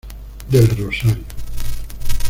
Del Rosario.